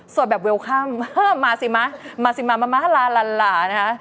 โสดแบบเวลคัมมาสิมามาสิมามาล่าล่านะคะ